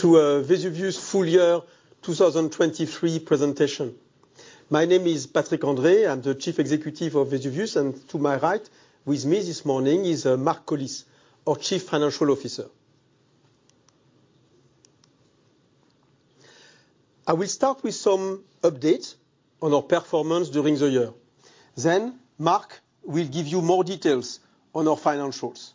To a Vesuvius full year 2023 presentation. My name is Patrick André, I'm the Chief Executive of Vesuvius, and to my right with me this morning is Mark Collis, our Chief Financial Officer. I will start with some updates on our performance during the year, then Mark will give you more details on our financials.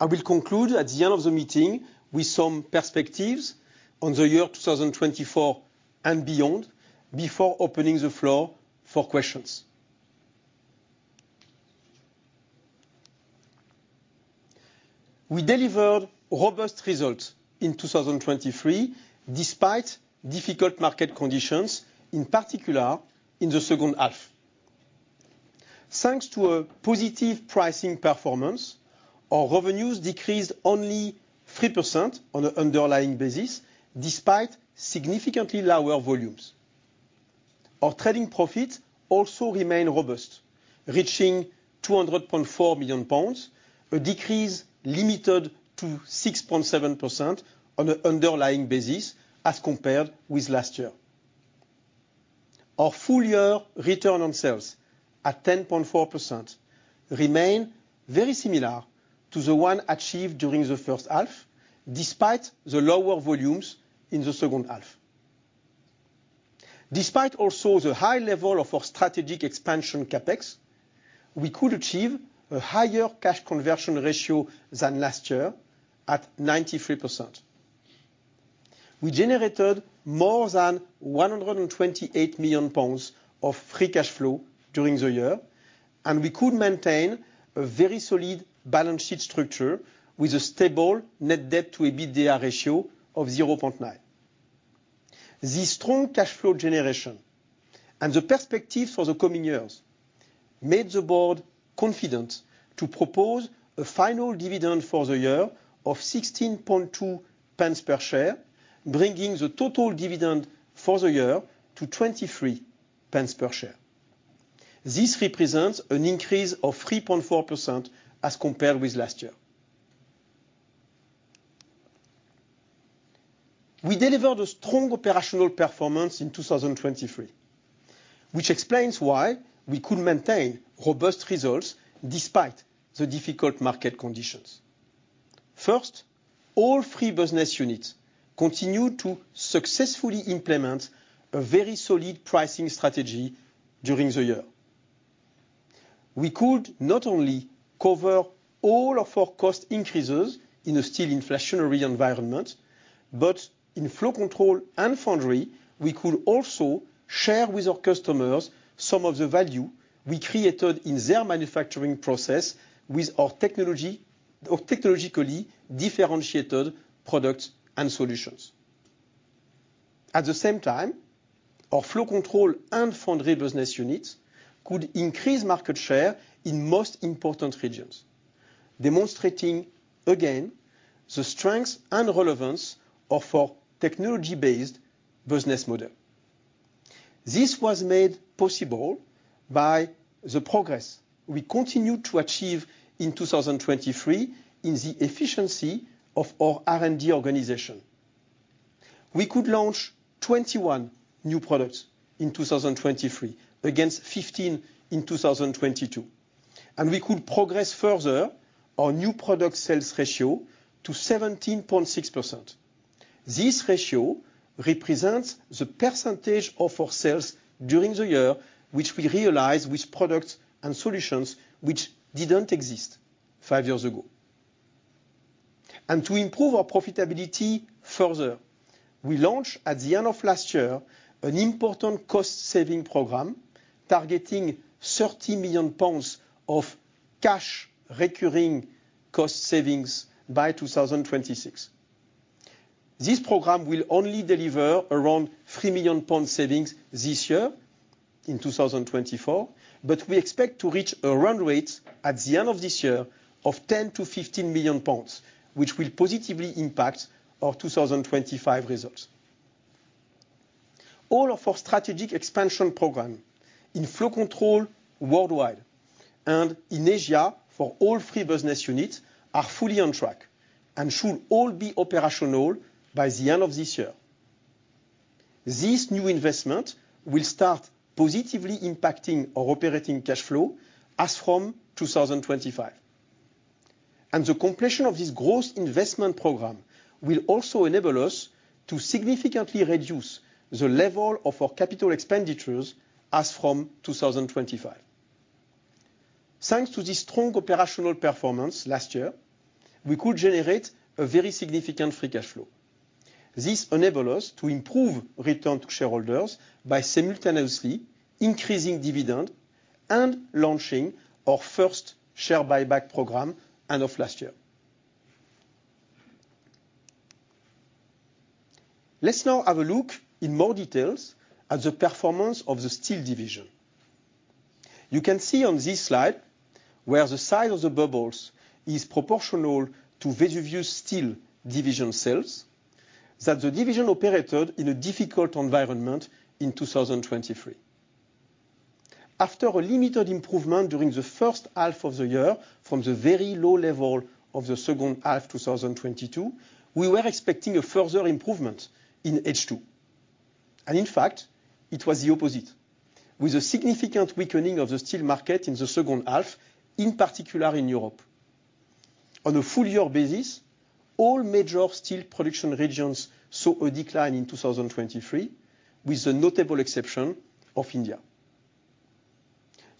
I will conclude at the end of the meeting with some perspectives on the year 2024 and beyond before opening the floor for questions. We delivered robust results in 2023 despite difficult market conditions, in particular in the second half. Thanks to a positive pricing performance, our revenues decreased only 3% on an underlying basis despite significantly lower volumes. Our trading profits also remain robust, reaching 200.4 million pounds, a decrease limited to 6.7% on an underlying basis as compared with last year. Our full year return on sales, at 10.4%, remained very similar to the one achieved during the first half despite the lower volumes in the second half. Despite also the high level of our strategic expansion CapEx, we could achieve a higher cash conversion ratio than last year at 93%. We generated more than 128 million pounds of free cash flow during the year, and we could maintain a very solid balance sheet structure with a stable net debt-to-EBITDA ratio of 0.9. This strong cash flow generation and the perspectives for the coming years made the board confident to propose a final dividend for the year of 16.2p per share, bringing the total dividend for the year to 23p per share. This represents an increase of 3.4% as compared with last year. We delivered a strong operational performance in 2023, which explains why we could maintain robust results despite the difficult market conditions. First, all three business units continued to successfully implement a very solid pricing strategy during the year. We could not only cover all of our cost increases in a still inflationary environment, but in Flow Control and Foundry, we could also share with our customers some of the value we created in their manufacturing process with our technologically differentiated products and solutions. At the same time, our Flow Control and Foundry business units could increase market share in most important regions, demonstrating, again, the strength and relevance of our technology-based business model. This was made possible by the progress we continued to achieve in 2023 in the efficiency of our R&D organization. We could launch 21 new products in 2023 against 15 in 2022, and we could progress further our new product sales ratio to 17.6%. This ratio represents the percentage of our sales during the year which we realized with products and solutions which didn't exist five years ago. And to improve our profitability further, we launched at the end of last year an important cost-saving program targeting 30 million pounds of cash recurring cost savings by 2026. This program will only deliver around 3 million pound savings this year in 2024, but we expect to reach a run rate at the end of this year of 10-15 million pounds, which will positively impact our 2025 results. All of our strategic expansion programs in Flow Control worldwide and in Asia for all three business units are fully on track and should all be operational by the end of this year. This new investment will start positively impacting our operating cash flow as from 2025, and the completion of this growth investment program will also enable us to significantly reduce the level of our capital expenditures as from 2025. Thanks to this strong operational performance last year, we could generate a very significant free cash flow. This enabled us to improve return to shareholders by simultaneously increasing dividends and launching our first share buyback program end of last year. Let's now have a look in more details at the performance of the Steel Division. You can see on this slide, where the size of the bubbles is proportional to Vesuvius Steel Division sales, that the division operated in a difficult environment in 2023. After a limited improvement during the first half of the year from the very low level of the second half 2022, we were expecting a further improvement in H2. In fact, it was the opposite, with a significant weakening of the steel market in the second half, in particular in Europe. On a full year basis, all major steel production regions saw a decline in 2023, with the notable exception of India.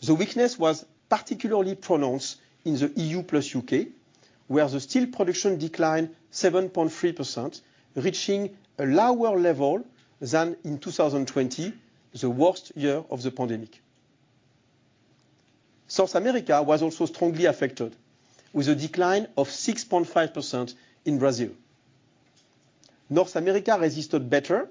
The weakness was particularly pronounced in the EU plus UK, where the steel production decline 7.3%, reaching a lower level than in 2020, the worst year of the pandemic. South America was also strongly affected, with a decline of 6.5% in Brazil. North America resisted better,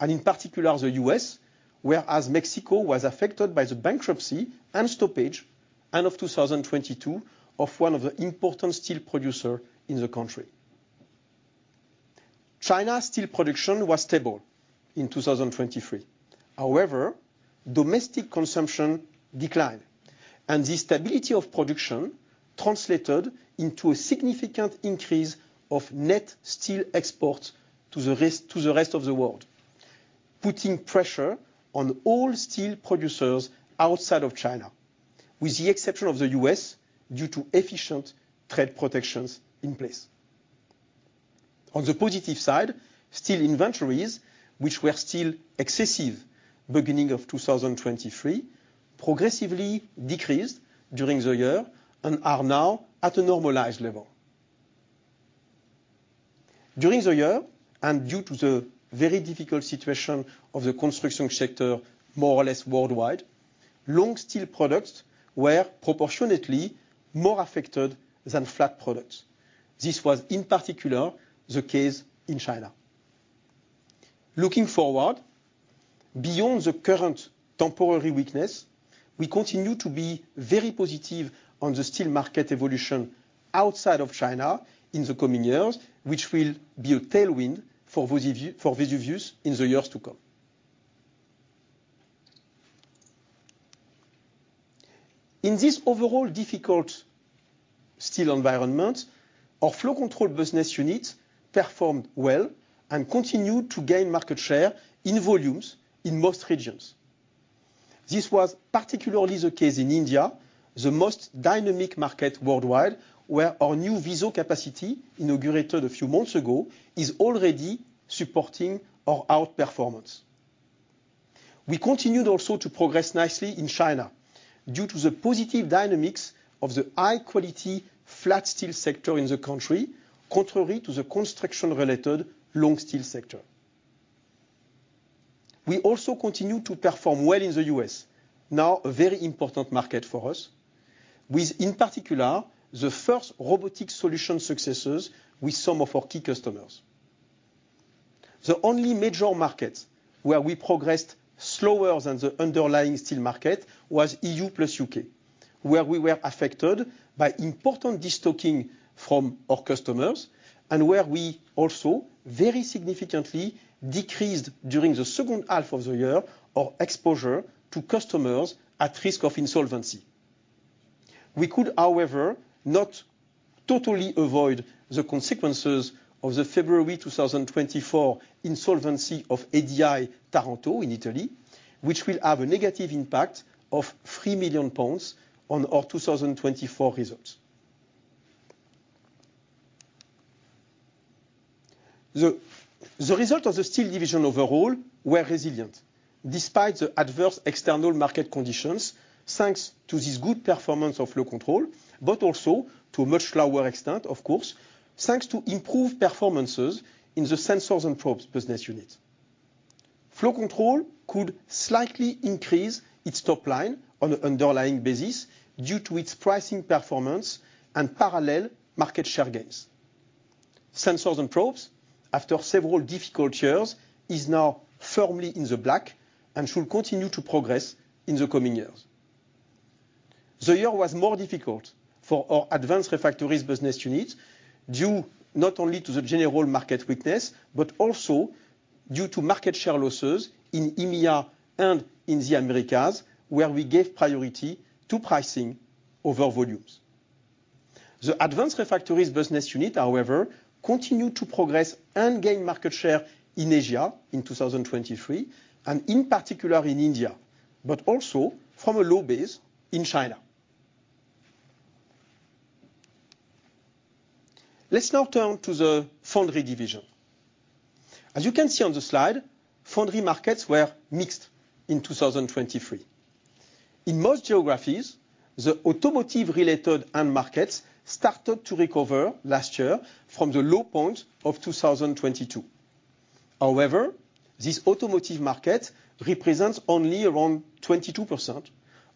and in particular the US, whereas Mexico was affected by the bankruptcy and stoppage end of 2022 of one of the important steel producers in the country. China's steel production was stable in 2023. However, domestic consumption declined, and this stability of production translated into a significant increase of net steel exports to the rest of the world, putting pressure on all steel producers outside of China, with the exception of the U.S. due to efficient trade protections in place. On the positive side, steel inventories, which were still excessive beginning of 2023, progressively decreased during the year and are now at a normalized level. During the year and due to the very difficult situation of the construction sector more or less worldwide, long steel products were proportionately more affected than flat products. This was in particular the case in China. Looking forward, beyond the current temporary weakness, we continue to be very positive on the steel market evolution outside of China in the coming years, which will be a tailwind for Vesuvius in the years to come. In this overall difficult steel environment, our Flow Control business units performed well and continued to gain market share in volumes in most regions. This was particularly the case in India, the most dynamic market worldwide, where our new VISO capacity inaugurated a few months ago is already supporting our outperformance. We continued also to progress nicely in China due to the positive dynamics of the high-quality flat steel sector in the country, contrary to the construction-related long steel sector. We also continued to perform well in the U.S., now a very important market for us, with in particular the first robotics solution successes with some of our key customers. The only major market where we progressed slower than the underlying steel market was EU plus UK, where we were affected by important destocking from our customers and where we also very significantly decreased during the second half of the year our exposure to customers at risk of insolvency. We could, however, not totally avoid the consequences of the February 2024 insolvency of ADI Taranto in Italy, which will have a negative impact of 3 million pounds on our 2024 results. The results of the steel division overall were resilient despite the adverse external market conditions, thanks to this good performance of Flow Control, but also to a much lower extent, of course, thanks to improved performances in the Sensors and Probes business unit. Flow Control could slightly increase its top line on an underlying basis due to its pricing performance and parallel market share gains. Sensors and probes, after several difficult years, are now firmly in the black and should continue to progress in the coming years. The year was more difficult for our Advanced Refractories business unit due not only to the general market weakness but also due to market share losses in EMEA and in the Americas, where we gave priority to pricing over volumes. The Advanced Refractories business unit, however, continued to progress and gain market share in Asia in 2023 and in particular in India, but also from a low base in China. Let's now turn to the Foundry division. As you can see on the slide, foundry markets were mixed in 2023. In most geographies, the automotive-related end markets started to recover last year from the low point of 2022. However, this automotive market represents only around 22%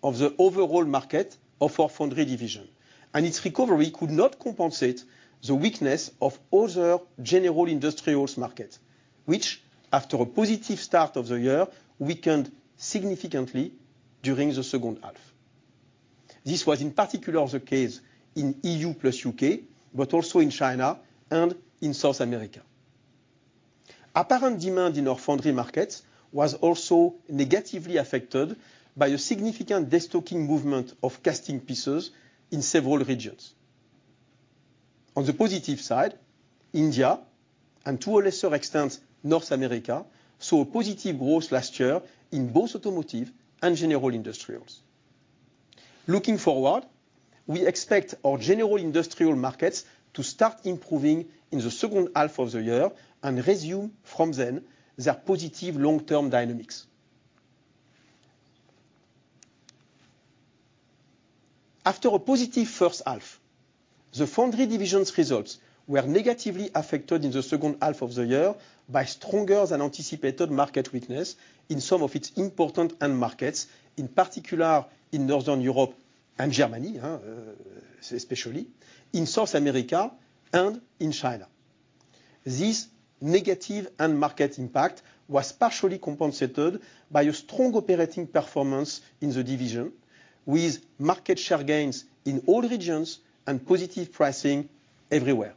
of the overall market of our foundry division, and its recovery could not compensate the weakness of other general industrials markets, which, after a positive start of the year, weakened significantly during the second half. This was in particular the case in EU plus UK, but also in China and in South America. Apparent demand in our foundry markets was also negatively affected by a significant destocking movement of casting pieces in several regions. On the positive side, India and, to a lesser extent, North America saw a positive growth last year in both automotive and general industrials. Looking forward, we expect our general industrial markets to start improving in the second half of the year and resume from then their positive long-term dynamics. After a positive first half, the Foundry division's results were negatively affected in the second half of the year by stronger than anticipated market weakness in some of its important end markets, in particular in Northern Europe and Germany, especially in South America and in China. This negative end market impact was partially compensated by a strong operating performance in the division, with market share gains in all regions and positive pricing everywhere.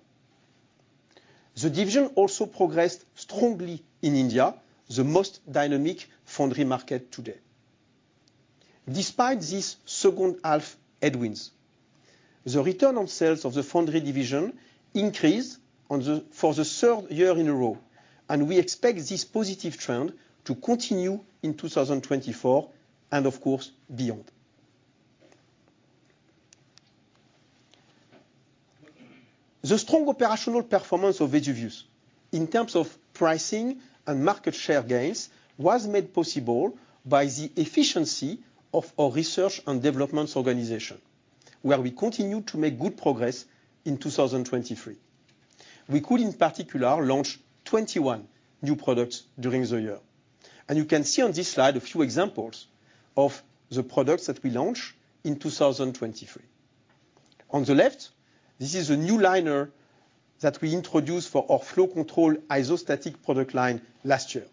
The division also progressed strongly in India, the most dynamic foundry market today. Despite this second half headwinds, the return on sales of the Foundry division increased for the third year in a row, and we expect this positive trend to continue in 2024 and, of course, beyond. The strong operational performance of Vesuvius, in terms of pricing and market share gains, was made possible by the efficiency of our research and development organization, where we continued to make good progress in 2023. We could, in particular, launch 21 new products during the year. You can see on this slide a few examples of the products that we launched in 2023. On the left, this is a new liner that we introduced for our Flow Control isostatic product line last year.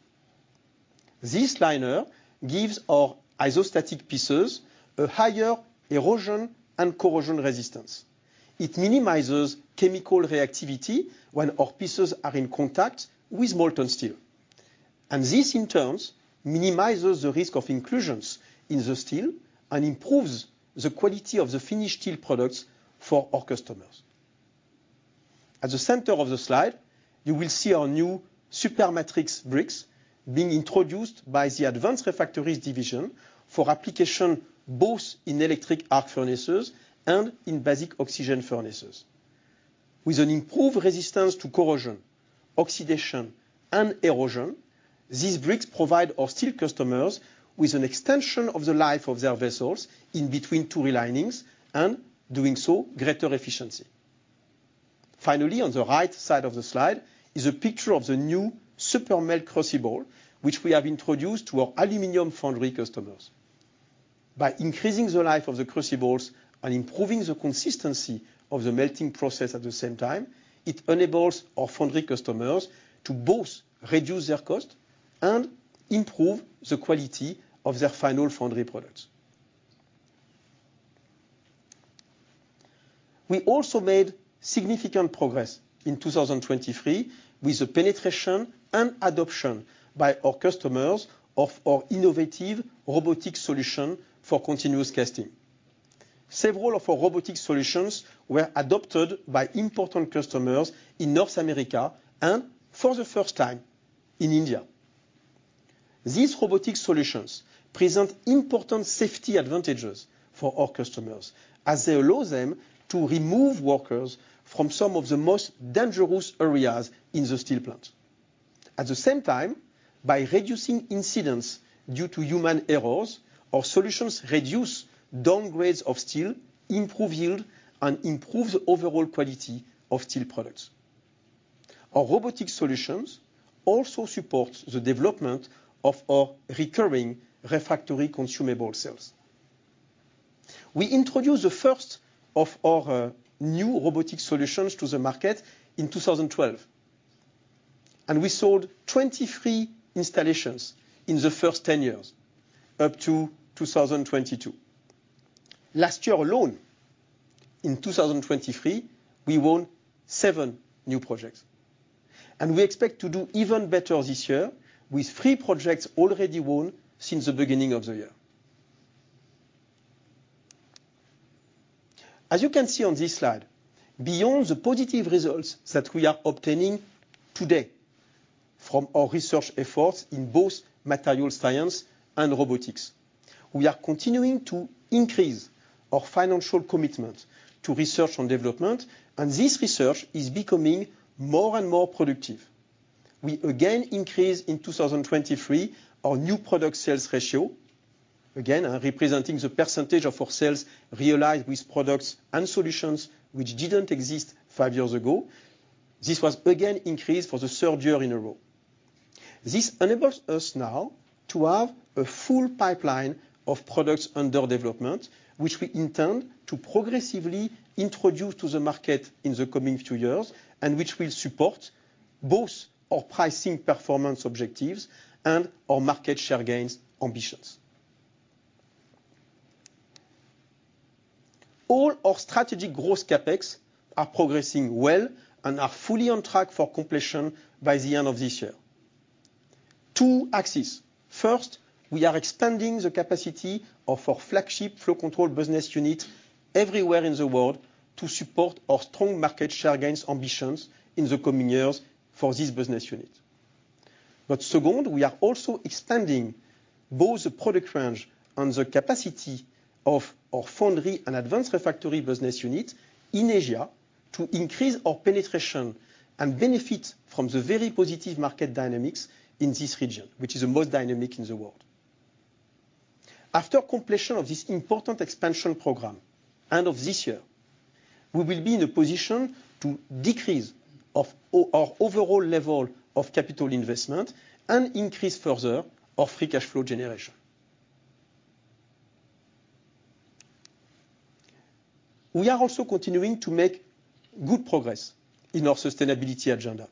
This liner gives our isostatic pieces a higher erosion and corrosion resistance. It minimizes chemical reactivity when our pieces are in contact with molten steel. This, in turn, minimizes the risk of inclusions in the steel and improves the quality of the finished steel products for our customers. At the center of the slide, you will see our new Supermatrix bricks being introduced by the Advanced Refractories division for application both in electric arc furnaces and in basic oxygen furnaces. With an improved resistance to corrosion, oxidation, and erosion, these bricks provide our steel customers with an extension of the life of their vessels in between two relining and, doing so, greater efficiency. Finally, on the right side of the slide is a picture of the new Supermelt crucible, which we have introduced to our aluminum foundry customers. By increasing the life of the crucibles and improving the consistency of the melting process at the same time, it enables our foundry customers to both reduce their cost and improve the quality of their final foundry products. We also made significant progress in 2023 with the penetration and adoption by our customers of our innovative robotics solution for continuous casting. Several of our robotics solutions were adopted by important customers in North America and, for the first time, in India. These robotics solutions present important safety advantages for our customers, as they allow them to remove workers from some of the most dangerous areas in the steel plant. At the same time, by reducing incidents due to human errors, our solutions reduce downgrades of steel, improve yield, and improve the overall quality of steel products. Our robotics solutions also support the development of our recurring refractory consumable sales. We introduced the first of our new robotics solutions to the market in 2012, and we sold 23 installations in the first 10 years up to 2022. Last year alone, in 2023, we won 7 new projects. We expect to do even better this year with 3 projects already won since the beginning of the year. As you can see on this slide, beyond the positive results that we are obtaining today from our research efforts in both materials science and robotics, we are continuing to increase our financial commitment to research and development, and this research is becoming more and more productive. We again increased in 2023 our new product sales ratio, again representing the percentage of our sales realized with products and solutions which didn't exist 5 years ago. This was again increased for the third year in a row. This enables us now to have a full pipeline of products under development, which we intend to progressively introduce to the market in the coming few years and which will support both our pricing performance objectives and our market share gains ambitions. All our strategic growth CapEx are progressing well and are fully on track for completion by the end of this year. Two axes. First, we are expanding the capacity of our flagship Flow Control business unit everywhere in the world to support our strong market share gains ambitions in the coming years for this business unit. But second, we are also expanding both the product range and the capacity of our Foundry and Advanced Refractories business unit in Asia to increase our penetration and benefit from the very positive market dynamics in this region, which is the most dynamic in the world. After completion of this important expansion program end of this year, we will be in a position to decrease our overall level of capital investment and increase further our free cash flow generation. We are also continuing to make good progress in our sustainability agenda.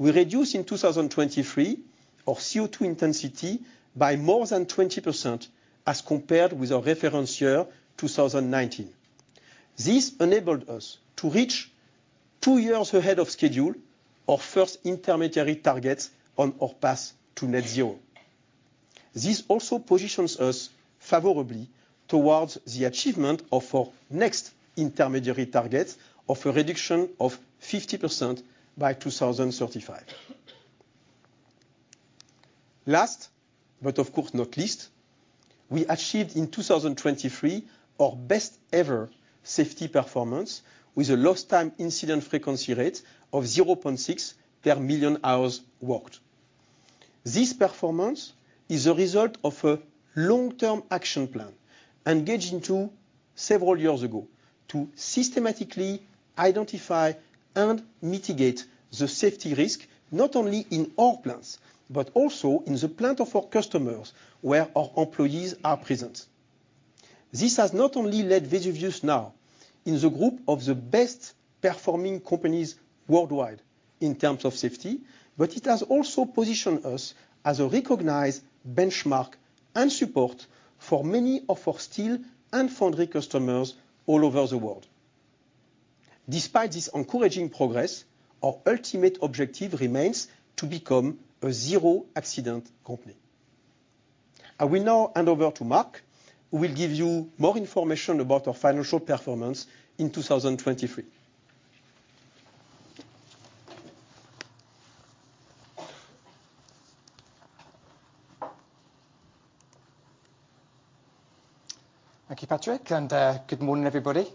We reduced in 2023 our CO2 intensity by more than 20% as compared with our reference year 2019. This enabled us to reach 2 years ahead of schedule, our first intermediary targets on our path to net zero. This also positions us favorably towards the achievement of our next intermediary targets of a reduction of 50% by 2035. Last, but of course not least, we achieved in 2023 our best-ever safety performance with a lost-time incident frequency rate of 0.6 per million hours worked. This performance is the result of a long-term action plan engaged into several years ago to systematically identify and mitigate the safety risk not only in our plants but also in the plant of our customers where our employees are present. This has not only led Vesuvius now in the group of the best-performing companies worldwide in terms of safety, but it has also positioned us as a recognized benchmark and support for many of our steel and foundry customers all over the world. Despite this encouraging progress, our ultimate objective remains to become a zero-accident company. I will now hand over to Mark, who will give you more information about our financial performance in 2023. Thank you, Patrick, and good morning, everybody.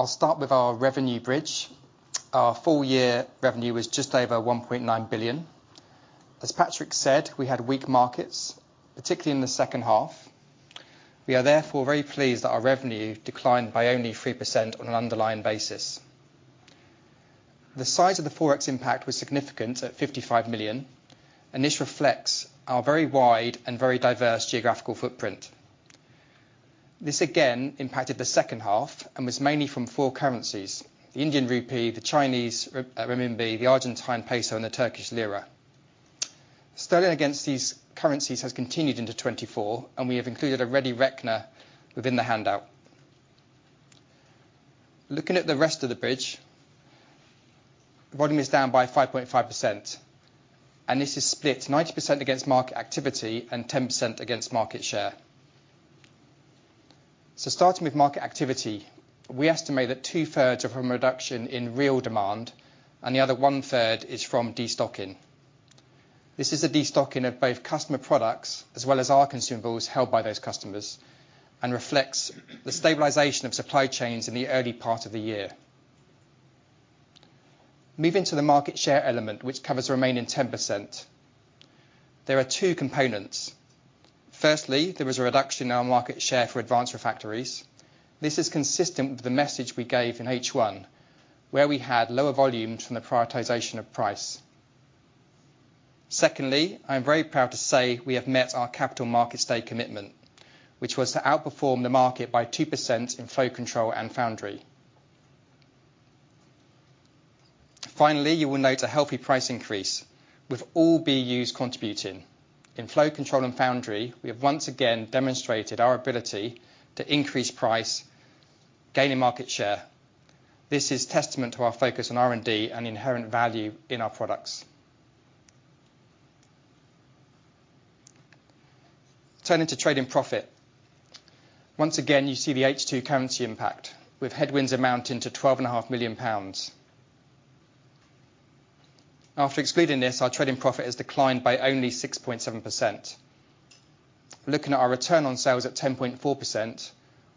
I'll start with our revenue bridge. Our full-year revenue was just over 1.9 billion. As Patrick said, we had weak markets, particularly in the second half. We are therefore very pleased that our revenue declined by only 3% on an underlying basis. The size of the forex impact was significant at 55 million, and this reflects our very wide and very diverse geographical footprint. This, again, impacted the second half and was mainly from four currencies: the Indian rupee, the Chinese renminbi, the Argentine peso, and the Turkish lira. Sterling against these currencies has continued into 2024, and we have included a ready reckoner within the handout. Looking at the rest of the bridge, volume is down by 5.5%, and this is split 90% against market activity and 10% against market share. Starting with market activity, we estimate that two-thirds are from reduction in real demand, and the other one-third is from destocking. This is the destocking of both customer products as well as our consumables held by those customers and reflects the stabilization of supply chains in the early part of the year. Moving to the market share element, which covers the remaining 10%, there are two components. Firstly, there was a reduction in our market share for Advanced Refractories. This is consistent with the message we gave in H1, where we had lower volumes from the prioritization of price. Secondly, I am very proud to say we have met our Capital Markets Day commitment, which was to outperform the market by 2% in Flow Control and Foundry. Finally, you will note a healthy price increase with all BUs contributing. In Flow Control and Foundry, we have once again demonstrated our ability to increase price, gaining market share. This is testament to our focus on R&D and inherent value in our products. Turning to trading profit. Once again, you see the H2 currency impact, with headwinds amounting to 12.5 million pounds. After excluding this, our trading profit has declined by only 6.7%. Looking at our return on sales at 10.4%,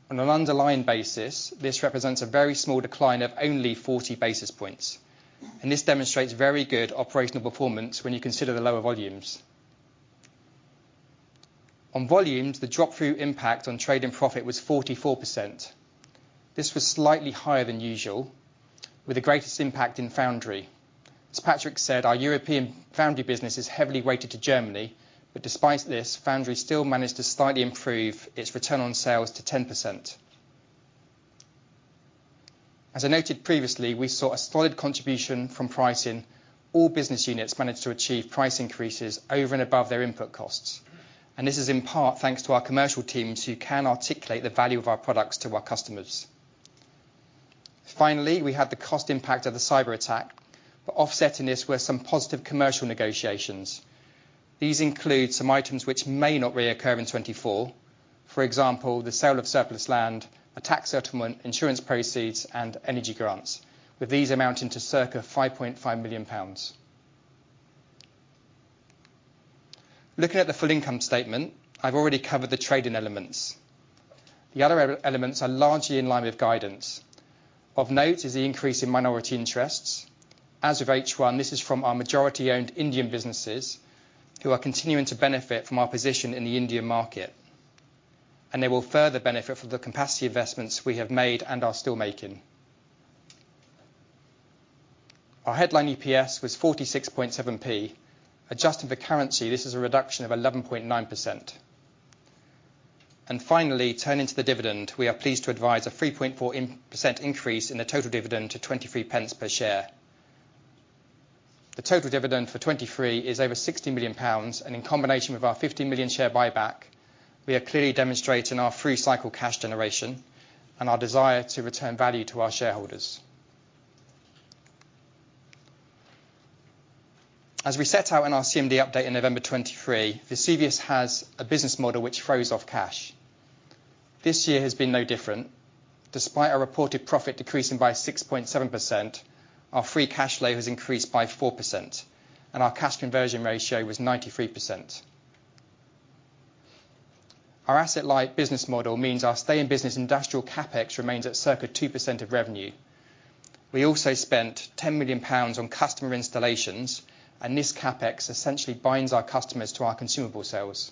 on an underlying basis, this represents a very small decline of only 40 basis points. This demonstrates very good operational performance when you consider the lower volumes. On volumes, the drop-through impact on trading profit was 44%. This was slightly higher than usual, with the greatest impact in Foundry. As Patrick said, our European Foundry business is heavily weighted to Germany, but despite this, Foundry still managed to slightly improve its return on sales to 10%. As I noted previously, we saw a solid contribution from pricing. All business units managed to achieve price increases over and above their input costs. This is in part thanks to our commercial teams who can articulate the value of our products to our customers. Finally, we had the cost impact of the cyberattack, but offsetting this were some positive commercial negotiations. These include some items which may not reoccur in 2024, for example, the sale of surplus land, a tax settlement, insurance proceeds, and energy grants, with these amounting to circa 5.5 million pounds. Looking at the full income statement, I've already covered the trading elements. The other elements are largely in line with guidance. Of note is the increase in minority interests. As with H1, this is from our majority-owned Indian businesses who are continuing to benefit from our position in the Indian market. And they will further benefit from the capacity investments we have made and are still making. Our headline EPS was 0.467. Adjusting for currency, this is a reduction of 11.9%. And finally, turning to the dividend, we are pleased to advise a 3.4% increase in the total dividend to 0.23 per share. The total dividend for 2023 is over 60 million pounds, and in combination with our 50 million share buyback, we are clearly demonstrating our through-cycle cash generation and our desire to return value to our shareholders. As we set out in our CMD update in November 2023, Vesuvius has a business model which throws off cash. This year has been no different. Despite our reported profit decreasing by 6.7%, our free cash flow has increased by 4%, and our cash conversion ratio was 93%. Our asset-light business model means our stay-in-business industrial CapEx remains at circa 2% of revenue. We also spent 10 million pounds on customer installations, and this CapEx essentially binds our customers to our consumable sales.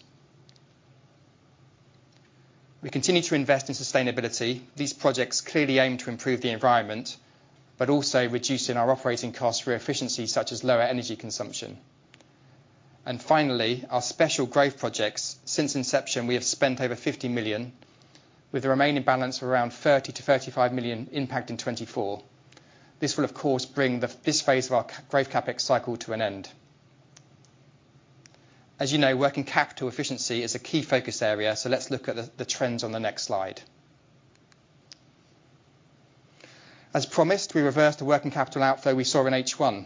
We continue to invest in sustainability. These projects clearly aim to improve the environment but also reduce our operating costs for efficiencies such as lower energy consumption. And finally, our special growth projects, since inception, we have spent over 50 million, with the remaining balance of around 30 million-35 million impact in 2024. This will, of course, bring this phase of our growth CapEx cycle to an end. As you know, working capital efficiency is a key focus area, so let's look at the trends on the next slide. As promised, we reversed the working capital outflow we saw in H1.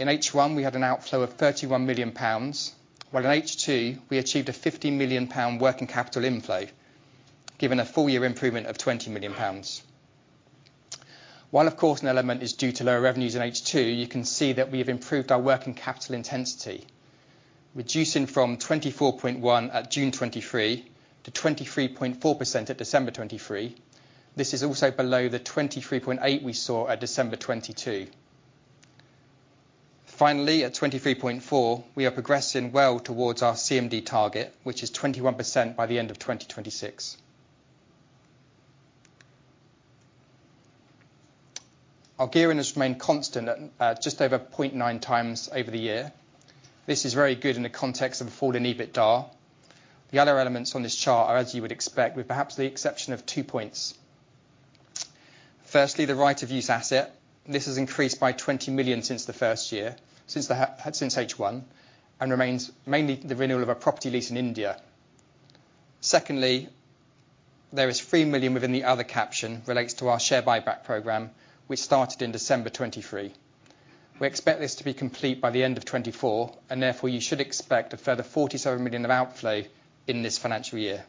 In H1, we had an outflow of 31 million pounds, while in H2, we achieved a 15 million pound working capital inflow, given a full-year improvement of 20 million pounds. While, of course, an element is due to lower revenues in H2, you can see that we have improved our working capital intensity. Reducing from 24.1 at June 2023 to 23.4% at December 2023, this is also below the 23.8 we saw at December 2022. Finally, at 23.4, we are progressing well towards our CMD target, which is 21% by the end of 2026. Our gearing has remained constant at just over 0.9 times over the year. This is very good in the context of a fallen EBITDA. The other elements on this chart are, as you would expect, with perhaps the exception of two points. Firstly, the right-of-use asset. This has increased by 20 million since the first year, since H1, and remains mainly the renewal of a property lease in India. Secondly, there is 3 million within the other caption relates to our share buyback program, which started in December 2023. We expect this to be complete by the end of 2024, and therefore you should expect a further 47 million of outflow in this financial year.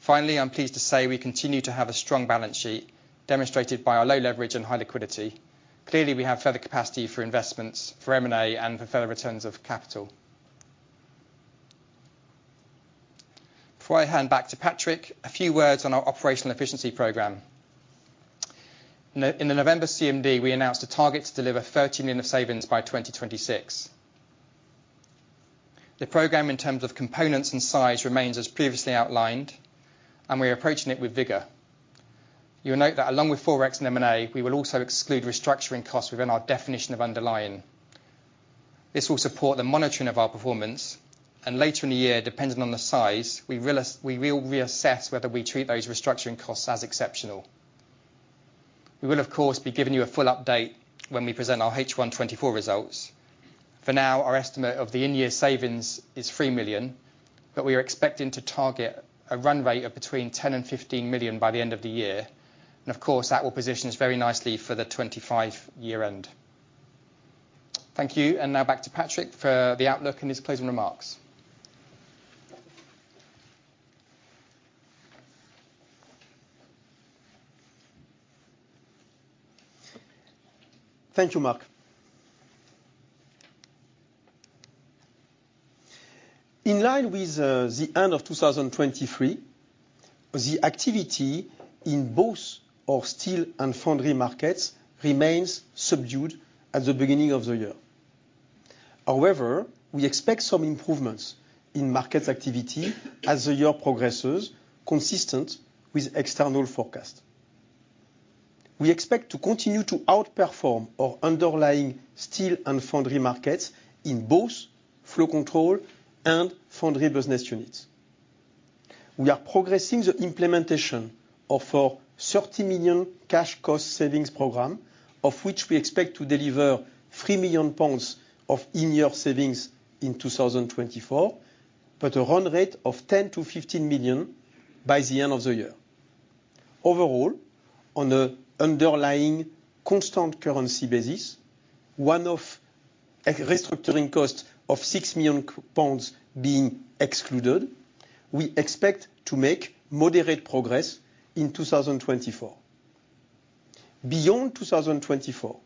Finally, I'm pleased to say we continue to have a strong balance sheet, demonstrated by our low leverage and high liquidity. Clearly, we have further capacity for investments, for M&A, and for further returns of capital. Before I hand back to Patrick, a few words on our operational efficiency program. In the November CMD, we announced a target to deliver 30 million of savings by 2026. The program, in terms of components and size, remains as previously outlined, and we are approaching it with vigor. You will note that along with forex and M&A, we will also exclude restructuring costs within our definition of underlying. This will support the monitoring of our performance, and later in the year, depending on the size, we will reassess whether we treat those restructuring costs as exceptional. We will, of course, be giving you a full update when we present our H1 2024 results. For now, our estimate of the in-year savings is 3 million, but we are expecting to target a run rate of between 10 million and 15 million by the end of the year. And of course, that will position us very nicely for the 2025 year-end. Thank you, and now back to Patrick for the outlook and his closing remarks. Thank you, Mark. In line with the end of 2023, the activity in both our steel and foundry markets remains subdued at the beginning of the year. However, we expect some improvements in market activity as the year progresses, consistent with external forecasts. We expect to continue to outperform our underlying steel and foundry markets in both Flow Control and Foundry business units. We are progressing the implementation of our 30 million cash cost savings program, of which we expect to deliver 3 million pounds of in-year savings in 2024, but a run rate of 10 million-15 million by the end of the year. Overall, on an underlying constant currency basis, once restructuring costs of 6 million pounds being excluded, we expect to make moderate progress in 2024. Beyond 2024,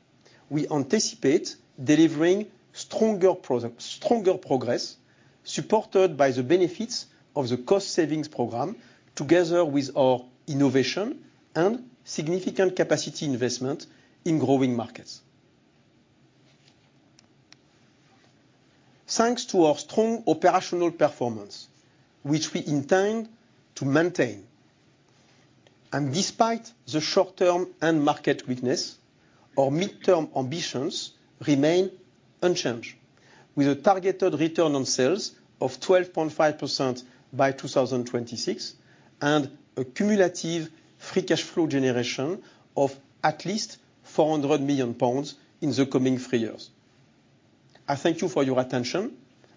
we anticipate delivering stronger progress supported by the benefits of the cost savings program together with our innovation and significant capacity investment in growing markets. Thanks to our strong operational performance, which we intend to maintain. Despite the short-term and market weakness, our mid-term ambitions remain unchanged, with a targeted return on sales of 12.5% by 2026 and a cumulative free cash flow generation of at least 400 million pounds in the coming three years. I thank you for your attention,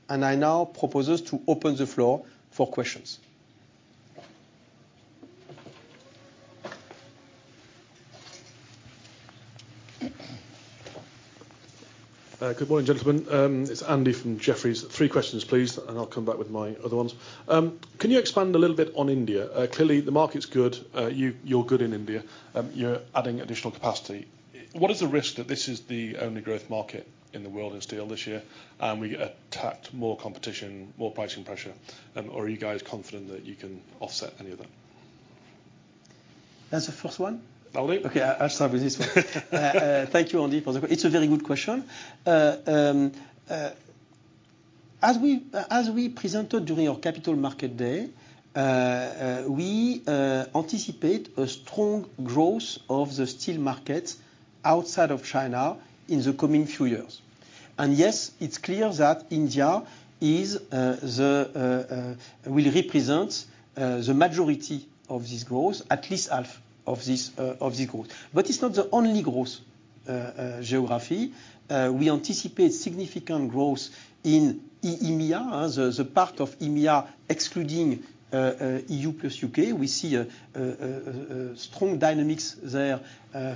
and I now propose us to open the floor for questions. Good morning, gentlemen. It's Andy from Jefferies. Three questions, please, and I'll come back with my other ones. Can you expand a little bit on India? Clearly, the market's good. You're good in India. You're adding additional capacity. What is the risk that this is the only growth market in the world in steel this year, and we attack more competition, more pricing pressure? Or are you guys confident that you can offset any of that? That's the first one? Okay, I'll start with this one. Thank you, Andy, for the question. It's a very good question. As we presented during our Capital Markets Day, we anticipate a strong growth of the steel market outside of China in the coming few years. And yes, it's clear that India will represent the majority of this growth, at least half of this growth. But it's not the only growth geography. We anticipate significant growth in EMEA, the part of EMEA excluding EU plus UK. We see strong dynamics there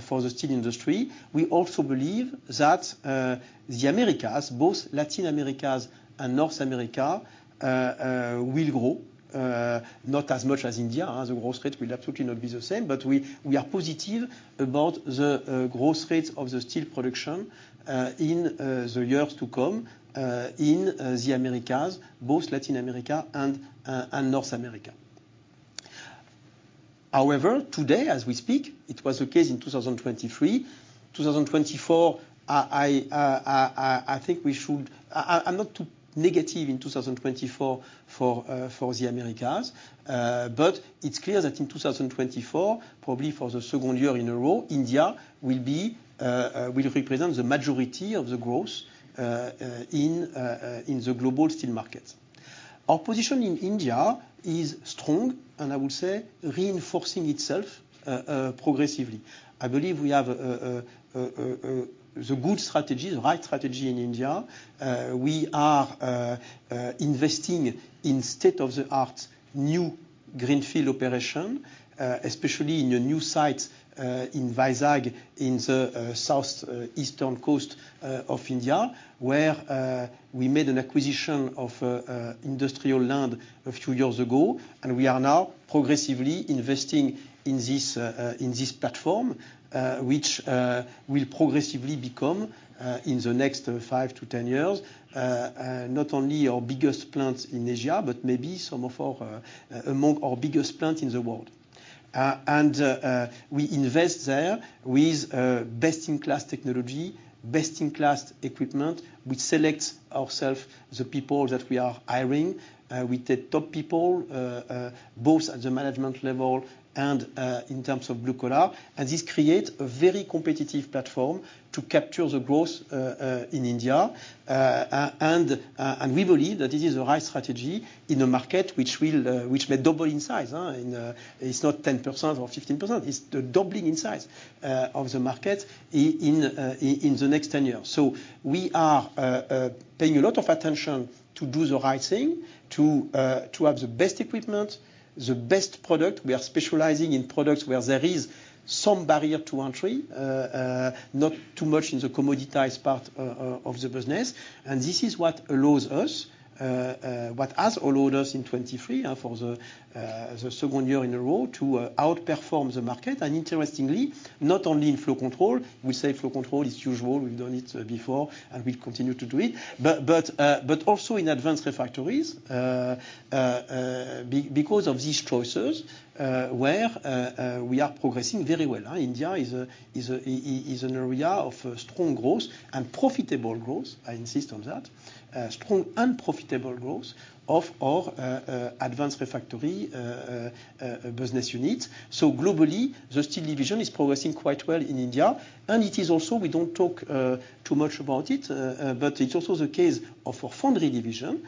for the steel industry. We also believe that the Americas, both Latin America and North America, will grow, not as much as India. The growth rate will absolutely not be the same, but we are positive about the growth rates of the steel production in the years to come in the Americas, both Latin America and North America. However, today, as we speak, it was the case in 2023. 2024, I think we should. I'm not too negative in 2024 for the Americas, but it's clear that in 2024, probably for the second year in a row, India will represent the majority of the growth in the global steel markets. Our position in India is strong, and I would say reinforcing itself progressively. I believe we have the good strategy, the right strategy in India. We are investing in state-of-the-art new greenfield operations, especially in a new site in Vizag, in the southeastern coast of India, where we made an acquisition of industrial land a few years ago. We are now progressively investing in this platform, which will progressively become, in the next 5-10 years, not only our biggest plant in Asia, but maybe some of our among our biggest plants in the world. We invest there with best-in-class technology, best-in-class equipment. We select ourselves the people that we are hiring. We take top people, both at the management level and in terms of blue collar. This creates a very competitive platform to capture the growth in India. We believe that this is the right strategy in a market which may double in size. It's not 10% or 15%. It's the doubling in size of the market in the next 10 years. We are paying a lot of attention to do the right thing, to have the best equipment, the best product. We are specializing in products where there is some barrier to entry, not too much in the commoditized part of the business. This is what allows us what has allowed us in 2023, for the second year in a row, to outperform the market. And interestingly, not only in Flow Control. We say Flow Control is usual. We've done it before, and we'll continue to do it. But also in Advanced Refractories because of these choices where we are progressing very well. India is an area of strong growth and profitable growth. I insist on that. Strong and profitable growth of our Advanced Refractory business units. So globally, the steel division is progressing quite well in India. And it is also, we don't talk too much about it, but it's also the case of our Foundry division,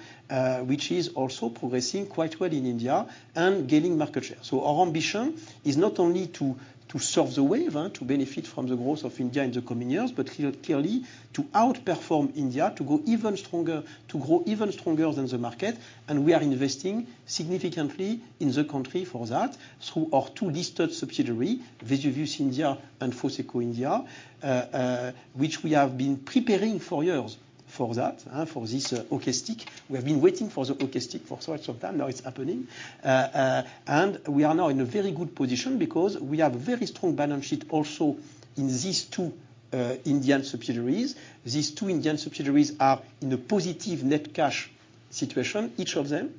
which is also progressing quite well in India and gaining market share. So our ambition is not only to surf the wave, to benefit from the growth of India in the coming years, but clearly to outperform India, to grow even stronger, to grow even stronger than the market. We are investing significantly in the country for that through our two listed subsidiaries, Vesuvius India and Foseco India, which we have been preparing for years for that, for this orchestration. We have been waiting for the orchestration for quite some time. Now it's happening. We are now in a very good position because we have a very strong balance sheet also in these two Indian subsidiaries. These two Indian subsidiaries are in a positive net cash situation, each of them,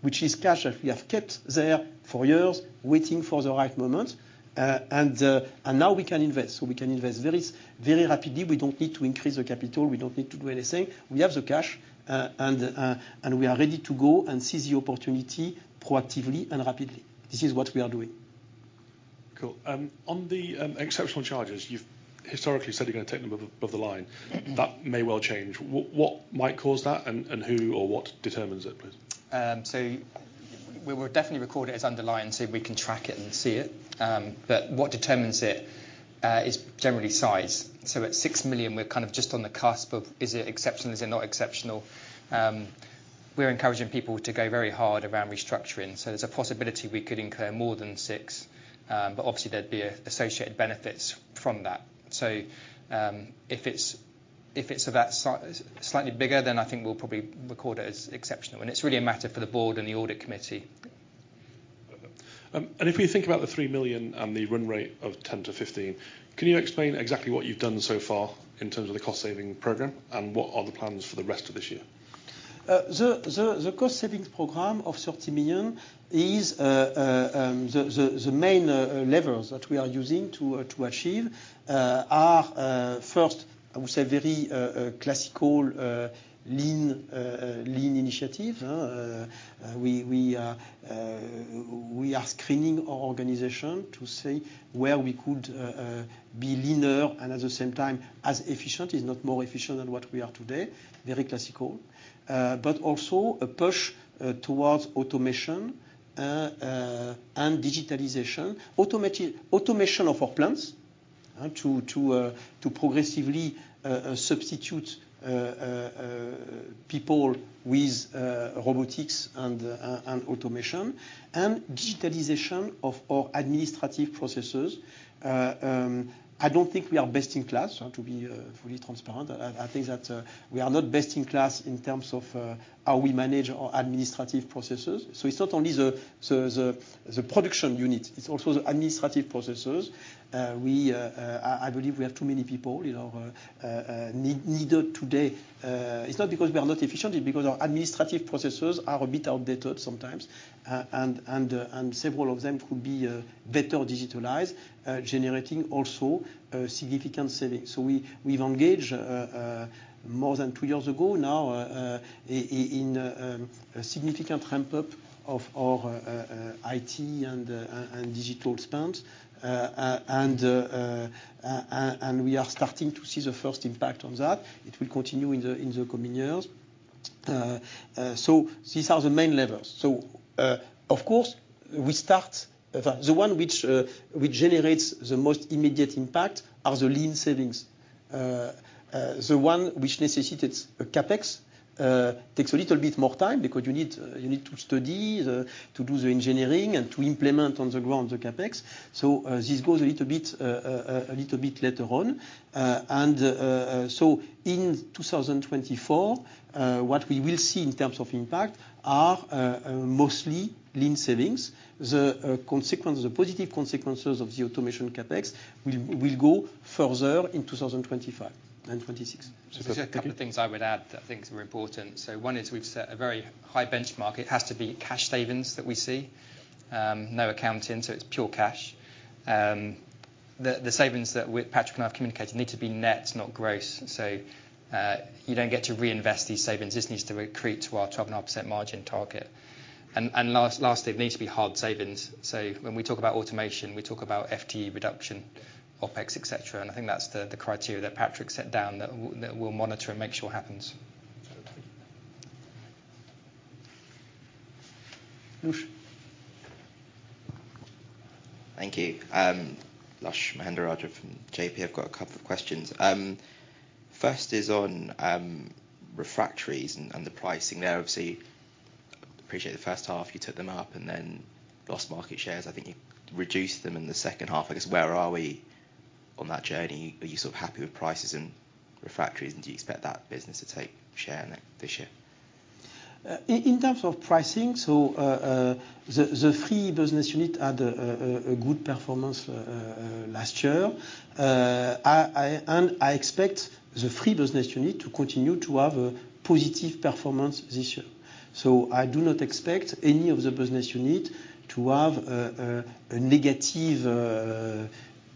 which is cash that we have kept there for years, waiting for the right moment. Now we can invest. So we can invest very rapidly. We don't need to increase the capital. We don't need to do anything. We have the cash, and we are ready to go and seize the opportunity proactively and rapidly. This is what we are doing. Cool. On the exceptional charges, you've historically said you're going to take them above the line. That may well change. What might cause that, and who or what determines it, please? So we will definitely record it as underlying so we can track it and see it. But what determines it is generally size. So at 6 million, we're kind of just on the cusp of, is it exceptional, is it not exceptional? We're encouraging people to go very hard around restructuring. So there's a possibility we could incur more than 6, but obviously, there'd be associated benefits from that. So if it's slightly bigger, then I think we'll probably record it as exceptional. And it's really a matter for the board and the audit committee. If we think about the 3 million and the run rate of 10 million-15 million, can you explain exactly what you've done so far in terms of the cost saving program and what are the plans for the rest of this year? The cost savings program of 30 million is the main levers that we are using to achieve. First, I would say very classical lean initiatives. We are screening our organization to see where we could be leaner and at the same time as efficient. It's not more efficient than what we are today. Very classical. But also a push towards automation and digitalization. Automation of our plants to progressively substitute people with robotics and automation, and digitalization of our administrative processes. I don't think we are best in class, to be fully transparent. I think that we are not best in class in terms of how we manage our administrative processes. So it's not only the production unit. It's also the administrative processes. I believe we have too many people needed today. It's not because we are not efficient. It's because our administrative processes are a bit outdated sometimes. Several of them could be better digitalized, generating also significant savings. So we've engaged more than two years ago now in a significant ramp-up of our IT and digital spend. And we are starting to see the first impact on that. It will continue in the coming years. So these are the main levers. So of course, we start the one which generates the most immediate impact are the lean savings. The one which necessitates a CapEx takes a little bit more time because you need to study, to do the engineering, and to implement on the ground the CapEx. So this goes a little bit later on. And so in 2024, what we will see in terms of impact are mostly lean savings. The positive consequences of the automation CapEx will go further in 2025 and 2026. There's a couple of things I would add that I think are important. So one is we've set a very high benchmark. It has to be cash savings that we see. No accounting. So it's pure cash. The savings that Patrick and I have communicated need to be nets, not gross. So you don't get to reinvest these savings. This needs to recreate to our 12.5% margin target. And lastly, it needs to be hard savings. So when we talk about automation, we talk about FTE reduction, OPEX, etc. And I think that's the criteria that Patrick set down that we'll monitor and make sure happens. Thank you. Lush Sherwin from JP. I've got a couple of questions. First is on refractories and the pricing there. Obviously, I appreciate the first half. You took them up and then lost market shares. I think you reduced them in the second half. I guess where are we on that journey? Are you sort of happy with prices in refractories? And do you expect that business to take share this year? In terms of pricing, so the Flow business unit had a good performance last year. And I expect the Flow business unit to continue to have a positive performance this year. So I do not expect any of the business unit to have a negative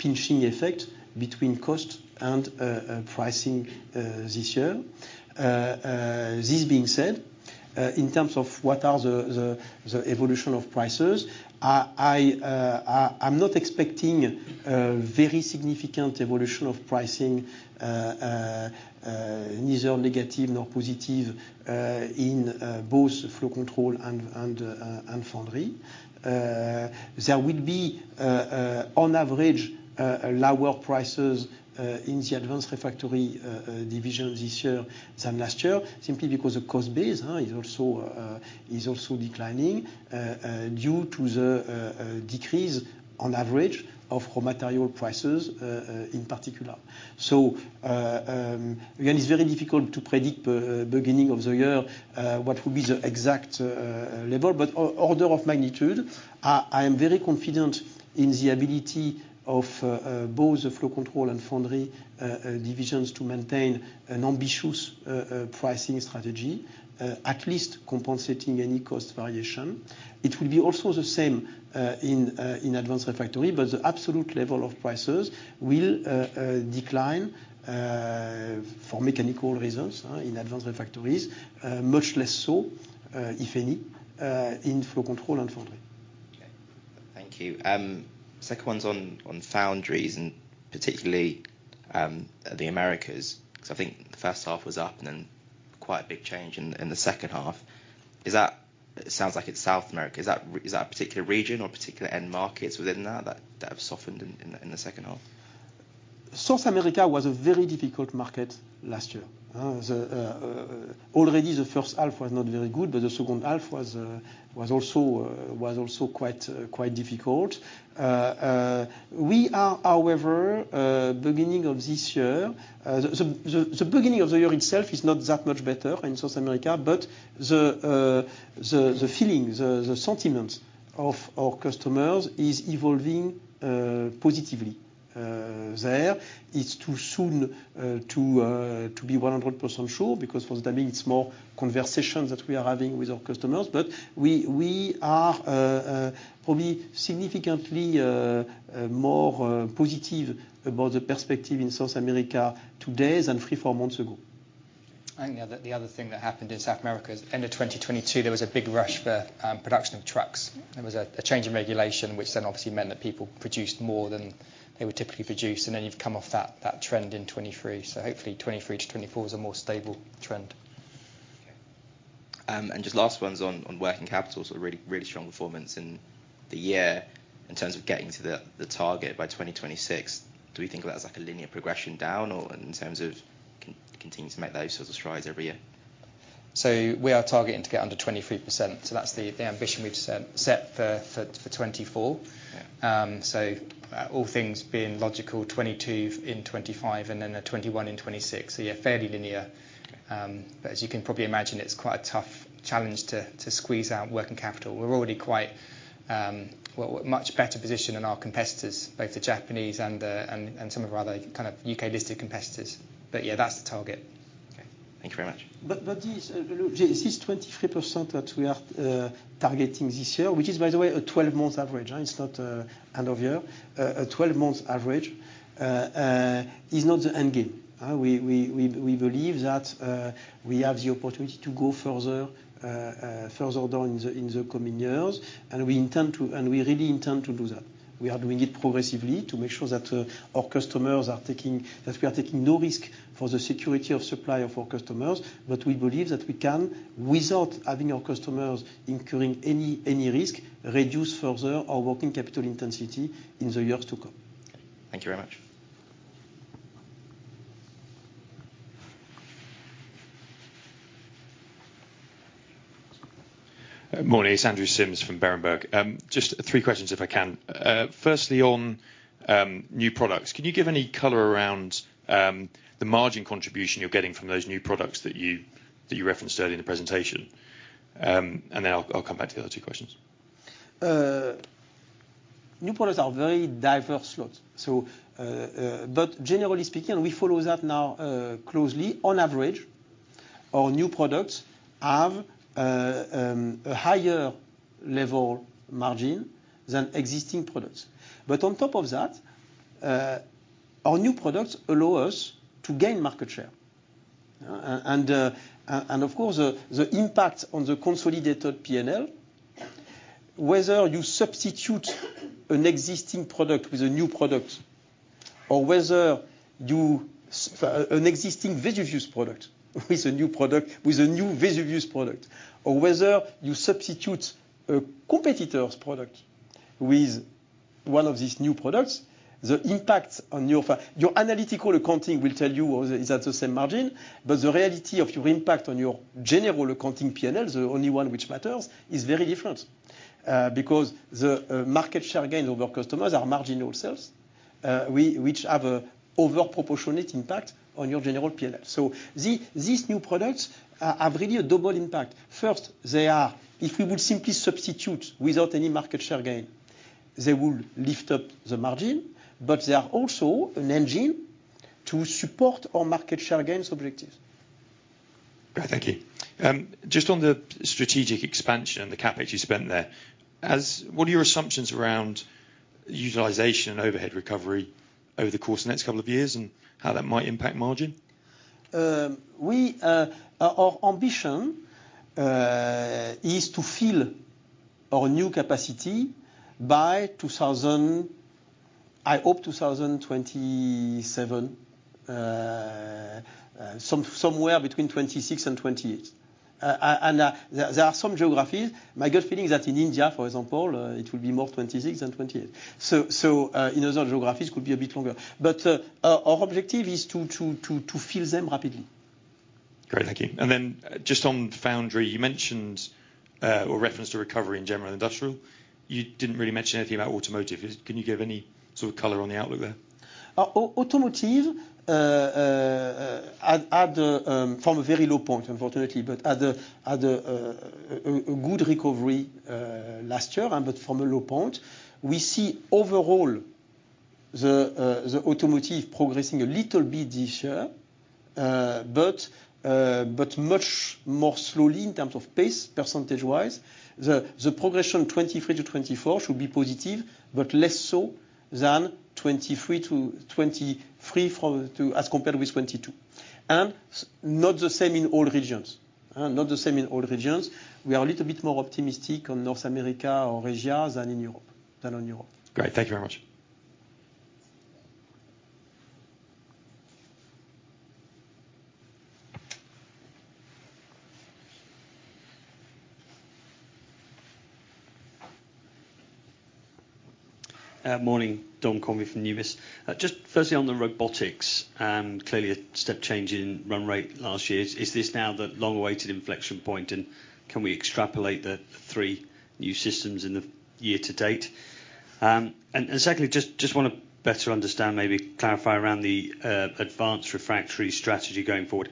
pinching effect between cost and pricing this year. This being said, in terms of what is the evolution of prices, I'm not expecting a very significant evolution of pricing, neither negative nor positive, in both Flow Control and Foundry. There will be, on average, lower prices in the Advanced Refractories division this year than last year, simply because the cost base is also declining due to the decrease, on average, of raw material prices in particular. So again, it's very difficult to predict beginning of the year what will be the exact level. But order of magnitude, I am very confident in the ability of both the Flow Control and Foundry divisions to maintain an ambitious pricing strategy, at least compensating any cost variation. It will be also the same in Advanced Refractories, but the absolute level of prices will decline for mechanical reasons in Advanced Refractories, much less so, if any, in Flow Control and Foundry. Okay. Thank you. Second one's on foundries and particularly the Americas, because I think the first half was up and then quite a big change in the second half. It sounds like it's South America. Is that a particular region or particular end markets within that that have softened in the second half? South America was a very difficult market last year. Already, the first half was not very good, but the second half was also quite difficult. We are, however, beginning of this year. The beginning of the year itself is not that much better in South America, but the feeling, the sentiment of our customers is evolving positively there. It's too soon to be 100% sure because for that meaning, it's more conversations that we are having with our customers. But we are probably significantly more positive about the perspective in South America today than three or four months ago. The other thing that happened in South America is end of 2022, there was a big rush for production of trucks. There was a change in regulation, which then obviously meant that people produced more than they would typically produce. Then you've come off that trend in 2023. Hopefully, 2023 to 2024 is a more stable trend. Okay. Just last one's on working capital, sort of really strong performance in the year in terms of getting to the target by 2026. Do we think of that as a linear progression down or in terms of continuing to make those sorts of strides every year? So we are targeting to get under 23%. So that's the ambition we've set for 2024. So all things being logical, 22% in 2025 and then a 21% in 2026. So yeah, fairly linear. But as you can probably imagine, it's quite a tough challenge to squeeze out working capital. We're already quite much better positioned than our competitors, both the Japanese and some of our other kind of U.K.-listed competitors. But yeah, that's the target. Okay. Thank you very much. But this 23% that we are targeting this year, which is, by the way, a 12-month average. It's not end of year. A 12-month average is not the end game. We believe that we have the opportunity to go further down in the coming years. And we really intend to do that. We are doing it progressively to make sure that our customers are taking that we are taking no risk for the security of supply of our customers. But we believe that we can, without having our customers incurring any risk, reduce further our working capital intensity in the years to come. Thank you very much. Morning. It's Andrew Simms from Berenberg. Just three questions, if I can. Firstly, on new products, can you give any color around the margin contribution you're getting from those new products that you referenced earlier in the presentation? And then I'll come back to the other two questions. New products are very diverse slots. But generally speaking, and we follow that now closely, on average, our new products have a higher level margin than existing products. But on top of that, our new products allow us to gain market share. And of course, the impact on the consolidated P&L, whether you substitute an existing product with a new product or whether you an existing Vesuvius product with a new Vesuvius product or whether you substitute a competitor's product with one of these new products, the impact on your analytical accounting will tell you it's at the same margin. But the reality of your impact on your general accounting P&L, the only one which matters, is very different because the market share gains of our customers are marginal sales, which have an overproportionate impact on your general P&L. So these new products have really a double impact. First, if we would simply substitute without any market share gain, they will lift up the margin. But they are also an engine to support our market share gains objectives. Great. Thank you. Just on the strategic expansion and the CapEx you spent there, what are your assumptions around utilization and overhead recovery over the course of the next couple of years and how that might impact margin? Our ambition is to fill our new capacity by, I hope, 2027, somewhere between 2026 and 2028. There are some geographies. My gut feeling is that in India, for example, it will be more 2026 than 2028. In other geographies, it could be a bit longer. Our objective is to fill them rapidly. Great. Thank you. And then just on foundry, you mentioned or referenced a recovery in general industrial. You didn't really mention anything about automotive. Can you give any sort of color on the outlook there? Automotive had from a very low point, unfortunately, but had a good recovery last year, but from a low point. We see overall the automotive progressing a little bit this year, but much more slowly in terms of pace, percentage-wise. The progression 2023 to 2024 should be positive, but less so than 2023 to 2023 as compared with 2022. Not the same in all regions. Not the same in all regions. We are a little bit more optimistic on North America or Asia than in Europe. Great. Thank you very much. Morning. Dom Sherwin from Numis. Just firstly, on the robotics and clearly a step change in run rate last year. Is this now the long-awaited inflection point? And can we extrapolate the three new systems in the year to date? And secondly, just want to better understand, maybe clarify around the advanced refractory strategy going forward.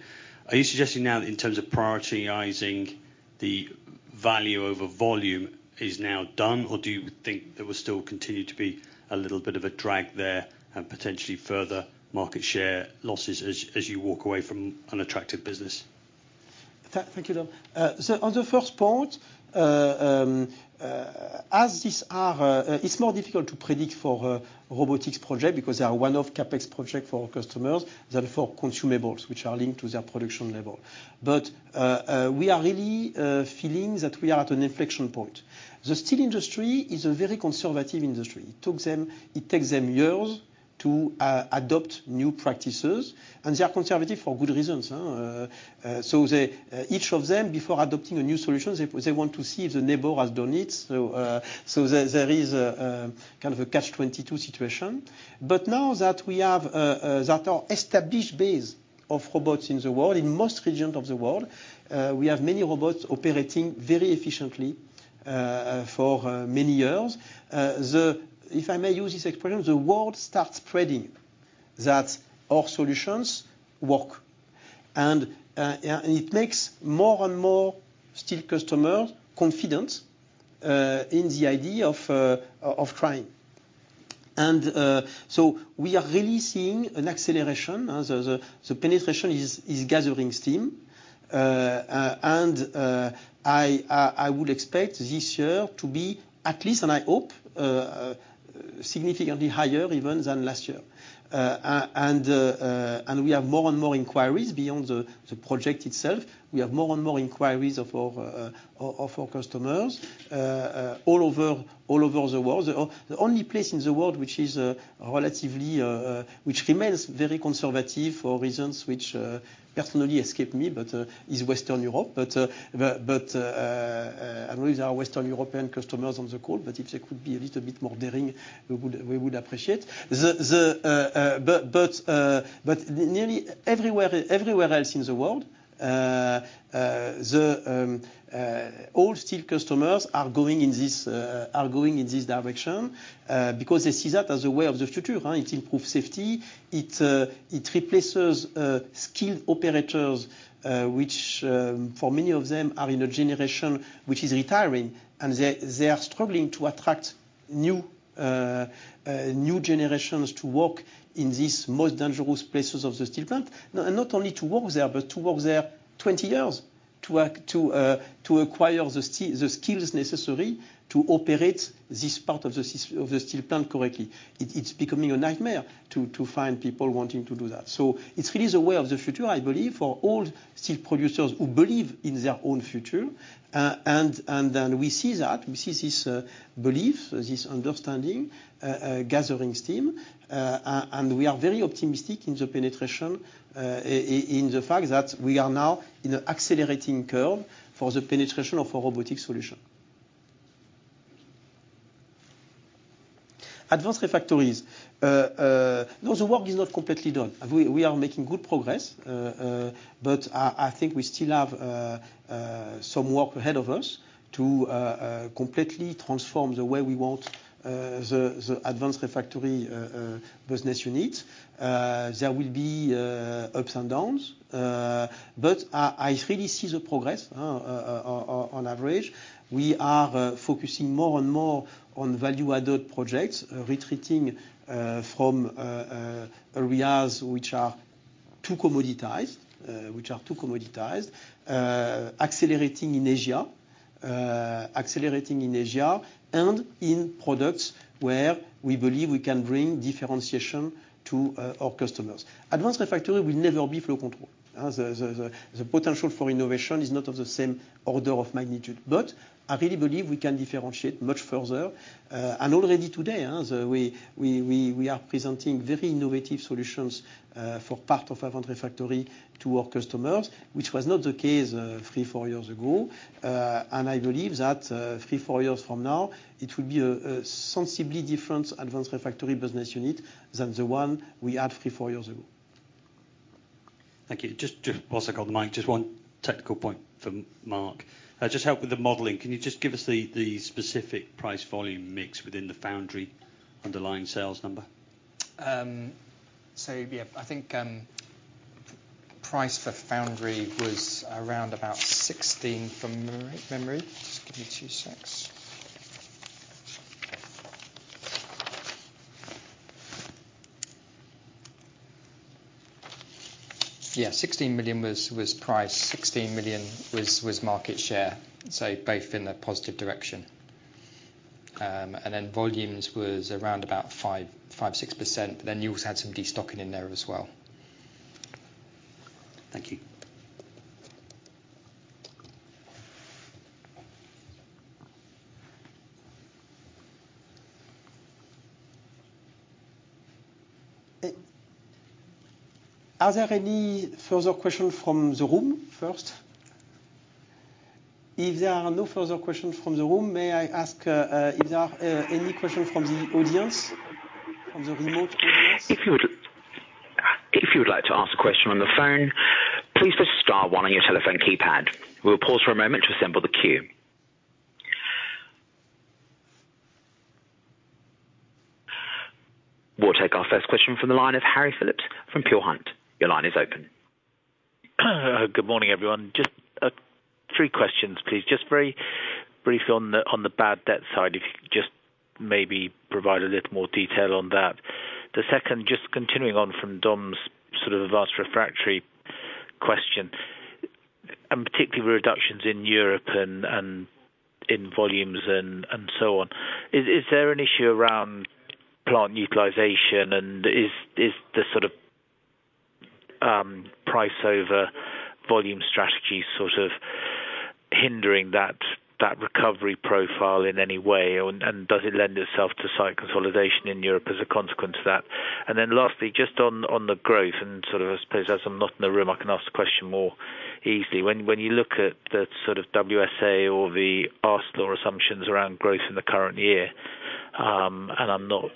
Are you suggesting now that in terms of prioritising the value over volume is now done, or do you think there will still continue to be a little bit of a drag there and potentially further market share losses as you walk away from an attractive business? Thank you, Dom. So on the first point, as these are, it's more difficult to predict for robotics projects because they are one-off CapEx projects for our customers than for consumables, which are linked to their production level. But we are really feeling that we are at an inflection point. The steel industry is a very conservative industry. It takes them years to adopt new practices. And they are conservative for good reasons. So each of them, before adopting a new solution, they want to see if the neighbor has done it. So there is kind of a catch-22 situation. But now that we have that established base of robots in the world, in most regions of the world, we have many robots operating very efficiently for many years. If I may use this expression, the word starts spreading that our solutions work. It makes more and more steel customers confident in the idea of trying. So we are really seeing an acceleration. The penetration is gathering steam. I would expect this year to be at least, and I hope, significantly higher even than last year. We have more and more inquiries beyond the project itself. We have more and more inquiries of our customers all over the world. The only place in the world which remains very conservative for reasons which personally escape me is Western Europe. But I don't know if there are Western European customers on the call, but if there could be a little bit more daring, we would appreciate it. But nearly everywhere else in the world, all steel customers are going in this direction because they see that as a way of the future. It improves safety. It replaces skilled operators, which for many of them are in a generation which is retiring. They are struggling to attract new generations to work in these most dangerous places of the steel plant. And not only to work there, but to work there 20 years to acquire the skills necessary to operate this part of the steel plant correctly. It's becoming a nightmare to find people wanting to do that. So it's really a way of the future, I believe, for all steel producers who believe in their own future. And then we see that. We see this belief, this understanding, gathering steam. And we are very optimistic in the penetration, in the fact that we are now in an accelerating curve for the penetration of our robotics solution. Advanced Refractories. No, the work is not completely done. We are making good progress. I think we still have some work ahead of us to completely transform the way we want the Advanced Refractories business unit. There will be ups and downs. I really see the progress. On average, we are focusing more and more on value-added projects, retreating from areas which are too commoditized, which are too commoditized, accelerating in Asia, accelerating in Asia, and in products where we believe we can bring differentiation to our customers. Advanced Refractories will never be Flow Control. The potential for innovation is not of the same order of magnitude. I really believe we can differentiate much further. Already today, we are presenting very innovative solutions for part of Advanced Refractories to our customers, which was not the case three, four years ago. I believe that 3-4 years from now, it will be a sensibly different advanced refractory business unit than the one we had 3-4 years ago. Thank you. Just to also call the mic, just one technical point for Mark. Just help with the modeling. Can you just give us the specific price-volume mix within the Foundry underlying sales number? So yeah, I think price for Foundry was around about 16 from memory. Just give me two secs. Yeah, 16 million was price. 16 million was market share. So both in a positive direction. And then volumes was around about 5%-6%. But then you also had some destocking in there as well. Thank you. Are there any further questions from the room first? If there are no further questions from the room, may I ask if there are any questions from the audience, from the remote audience? If you would like to ask a question on the phone, please press star one on your telephone keypad. We'll pause for a moment to assemble the queue. We'll take our first question from the line of Harry Phillips from Peel Hunt. Your line is open. Good morning, everyone. Just three questions, please. Just very briefly on the bad debt side, if you could just maybe provide a little more detail on that. The second, just continuing on from Dom's sort of advanced refractory question, and particularly reductions in Europe and in volumes and so on, is there an issue around plant utilisation? And is the sort of price-over-volume strategy sort of hindering that recovery profile in any way? And does it lend itself to site consolidation in Europe as a consequence of that? And then lastly, just on the growth and sort of, I suppose, as I'm not in the room, I can ask the question more easily. When you look at the sort of WSA or the ArcelorMittal assumptions around growth in the current year and I'm not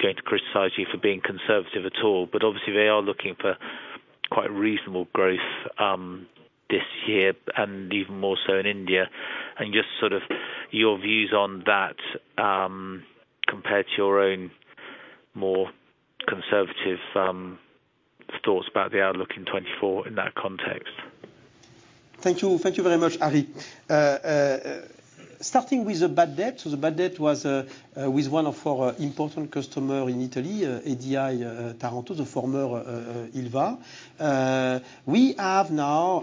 going to criticise you for being conservative at all, but obviously, they are looking for quite reasonable growth this year and even more so in India. And just sort of your views on that compared to your own more conservative thoughts about the outlook in 2024 in that context. Thank you. Thank you very much, Harry. Starting with the bad debt. So the bad debt was with one of our important customers in Italy, ADI Taranto, the former ILVA. We have now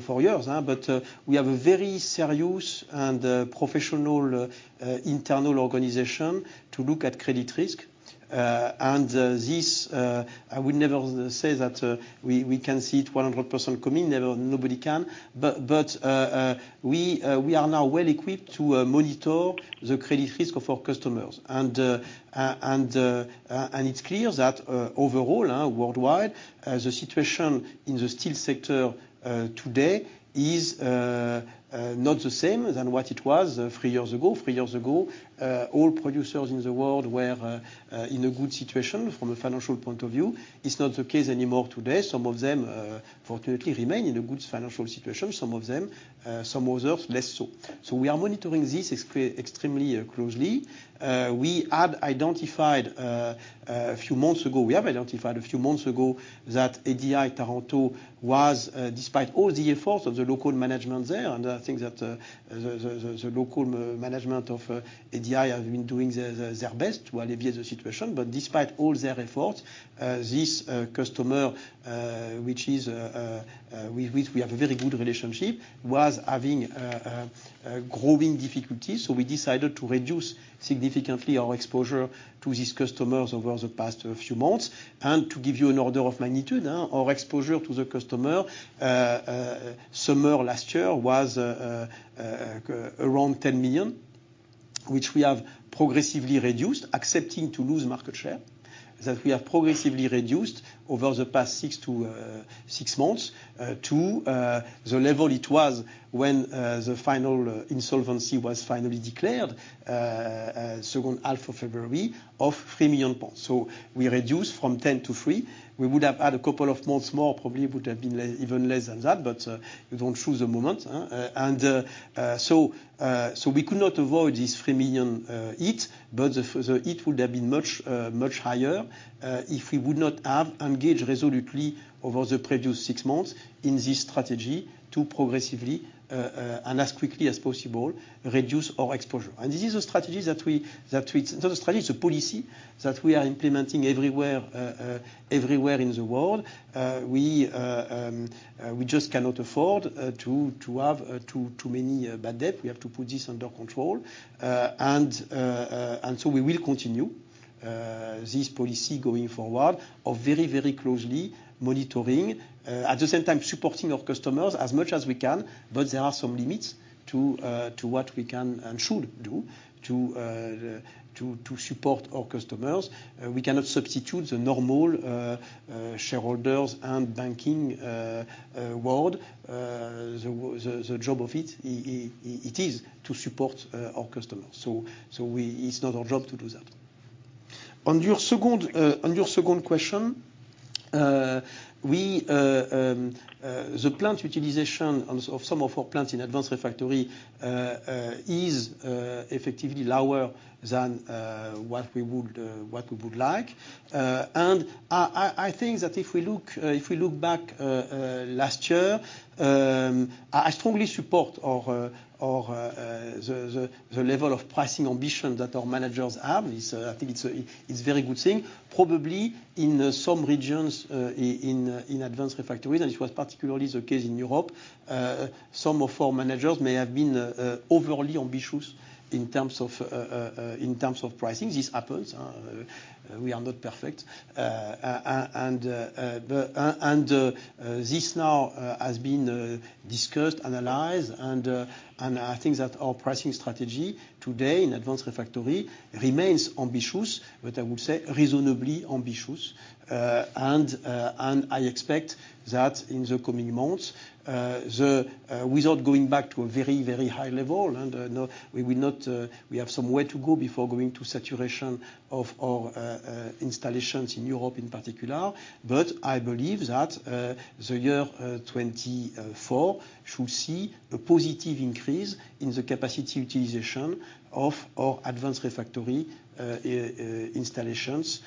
for years, but we have a very serious and professional internal organization to look at credit risk. And I would never say that we can see it 100% coming. Nobody can. But we are now well equipped to monitor the credit risk of our customers. And it's clear that overall, worldwide, the situation in the steel sector today is not the same than what it was three years ago. Three years ago, all producers in the world were in a good situation from a financial point of view. It's not the case anymore today. Some of them, fortunately, remain in a good financial situation. Some others, less so. So we are monitoring this extremely closely. We had identified a few months ago that ADI Taranto was, despite all the efforts of the local management there and I think that the local management of ADI have been doing their best to alleviate the situation. Despite all their efforts, this customer, with which we have a very good relationship, was having growing difficulties. We decided to reduce significantly our exposure to these customers over the past few months. To give you an order of magnitude, our exposure to the customer summer last year was around 10 million, which we have progressively reduced, accepting to lose market share, to the level it was when the final insolvency was finally declared second half of February of 3 million pounds. We reduced from 10 to 3. We would have had a couple of months more. Probably it would have been even less than that, but you don't choose the moment. We could not avoid this 3 million hit, but the hit would have been much higher if we would not have engaged resolutely over the previous six months in this strategy to progressively and as quickly as possible reduce our exposure. This is a strategy that we it's not a strategy. It's a policy that we are implementing everywhere in the world. We just cannot afford to have too many bad debt. We have to put this under control. We will continue this policy going forward of very, very closely monitoring, at the same time supporting our customers as much as we can. There are some limits to what we can and should do to support our customers. We cannot substitute the normal shareholders and banking world. The job of it, it is to support our customers. So it's not our job to do that. On your second question, the plant utilization of some of our plants in Advanced Refractories is effectively lower than what we would like. And I think that if we look back last year, I strongly support the level of pricing ambition that our managers have. I think it's a very good thing. Probably in some regions in Advanced Refractories and it was particularly the case in Europe, some of our managers may have been overly ambitious in terms of pricing. This happens. We are not perfect. And this now has been discussed, analyzed. And I think that our pricing strategy today in Advanced Refractories remains ambitious, but I would say reasonably ambitious. I expect that in the coming months, without going back to a very, very high level, we have some way to go before going to saturation of our installations in Europe in particular. But I believe that the year 2024 should see a positive increase in the capacity utilization of our advanced refractory installations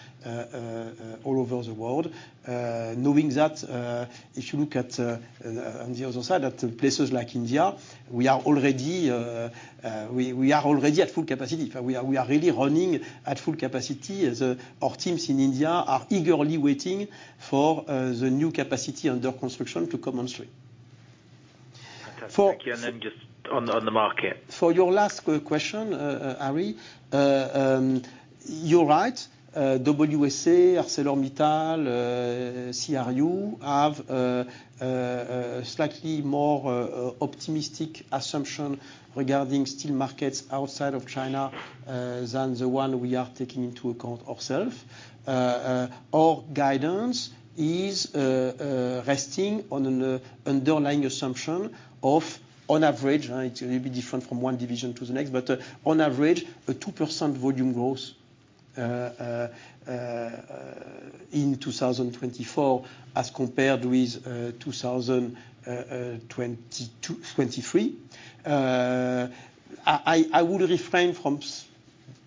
all over the world, knowing that if you look on the other side, at places like India, we are already at full capacity. We are really running at full capacity. Our teams in India are eagerly waiting for the new capacity under construction to come on stream. Thank you. And then just on the market. For your last question, Harry, you're right. WSA, ArcelorMittal, CRU have a slightly more optimistic assumption regarding steel markets outside of China than the one we are taking into account ourselves. Our guidance is resting on an underlying assumption of, on average it's a little bit different from one division to the next, but on average, a 2% volume growth in 2024 as compared with 2023. I would refrain from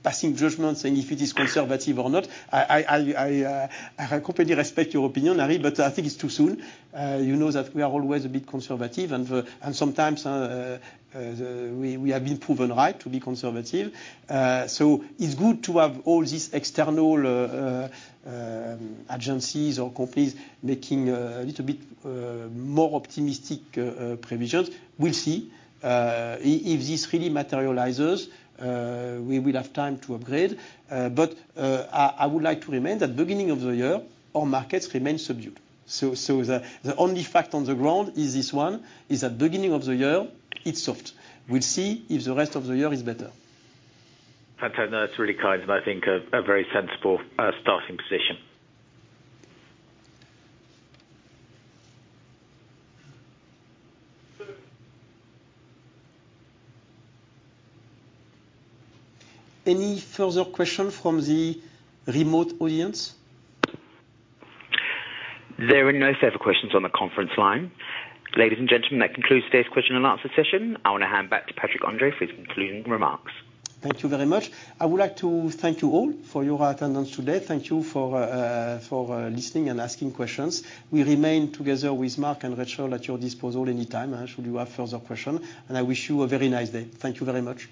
passing judgment saying if it is conservative or not. I completely respect your opinion, Harry, but I think it's too soon. You know that we are always a bit conservative. Sometimes, we have been proven right to be conservative. It's good to have all these external agencies or companies making a little bit more optimistic provisions. We'll see. If this really materialises, we will have time to upgrade. I would like to remind that beginning of the year, our markets remain subdued. The only fact on the ground is this one, is that beginning of the year, it's soft. We'll see if the rest of the year is better. That's really kind and I think a very sensible starting position. Any further question from the remote audience? There are no further questions on the conference line. Ladies and gentlemen, that concludes today's question and answer session. I want to hand back to Patrick André for his concluding remarks. Thank you very much. I would like to thank you all for your attendance today. Thank you for listening and asking questions. We remain together with Mark and Rachel at your disposal anytime should you have further questions. I wish you a very nice day. Thank you very much.